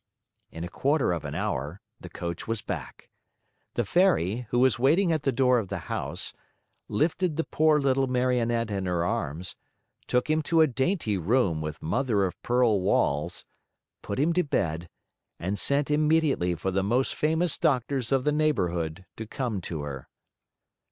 In a quarter of an hour the coach was back. The Fairy, who was waiting at the door of the house, lifted the poor little Marionette in her arms, took him to a dainty room with mother of pearl walls, put him to bed, and sent immediately for the most famous doctors of the neighborhood to come to her.